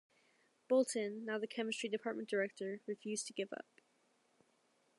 Bolton, now the Chemistry department director, refused to give up.